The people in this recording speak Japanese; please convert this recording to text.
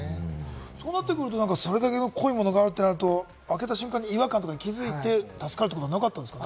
そうなってくると、それだけ濃いものがあると開けた瞬間、違和感があって助かるということはないんですか？